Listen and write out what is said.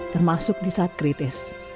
termasuk di saat kritis